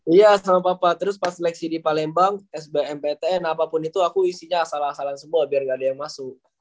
iya sama papa terus pas seleksi di palembang sbmptn apapun itu aku isinya asal asalan semua biar gak ada yang masuk